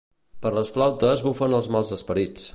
Per les flautes bufen els mals esperits.